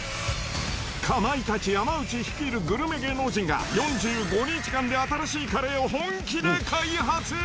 かまいたち・山内率いるグルメ芸能人が、４５日間で新しいカレーを本気で開発。